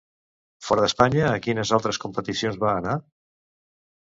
Fora d'Espanya, a quines altres competicions va anar?